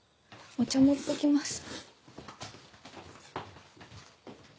お茶持って来ます。